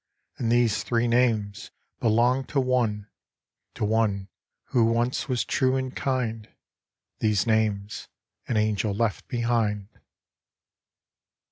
And these three names belonged to one, To one who once was true and kind — These names an angel left behind